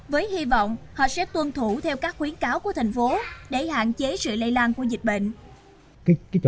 với hy vọng họ sẽ tuân thủ theo các khuyến cáo của thành phố để hạn chế sự lây lan của dịch bệnh